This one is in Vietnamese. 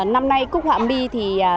năm nay cúc họa mi thì